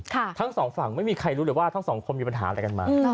ทั้งสองฝั่งไม่มีใครรู้เลยว่าทั้งสองคนมีปัญหาอะไรกันมา